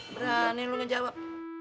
berani lo ngejawab